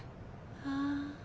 はあ。